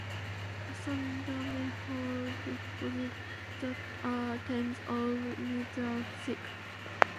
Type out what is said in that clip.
A sandar may hold deposits that are tens of meters thick.